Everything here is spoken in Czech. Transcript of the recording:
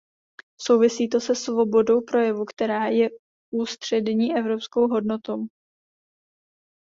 Souvisí to se svobodou projevu, která je ústřední evropskou hodnotou.